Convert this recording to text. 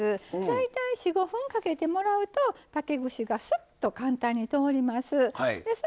大体４５分かけてもらうと竹串がスッと簡単に通ります。